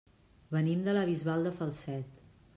Venim de la Bisbal de Falset.